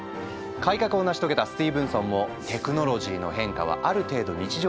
改革を成し遂げたスティーブンソンも「テクノロジーの変化はある程度日常的になってきた。